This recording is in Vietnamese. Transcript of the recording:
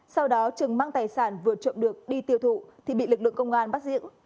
sau đó trừng mang tài sản vừa trộm được đi tiêu thụ thì bị lực lượng công an bắt giữ